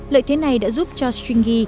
lợi thế này đã giúp cho stringy